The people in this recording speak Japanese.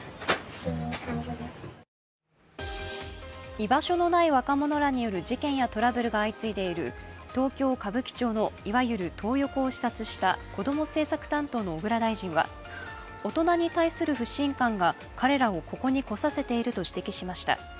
居場所のない若者らによる事件やトラブルが相次いでいる東京・歌舞伎町のいわゆるトー横を視察したこども政策担当の小倉大臣は大人に対する不信感が、彼らをここに来させていると指摘しました。